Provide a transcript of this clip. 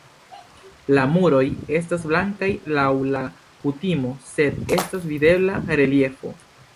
La muroj estas blankaj laŭ la kutimo, sed estas videbla reliefo.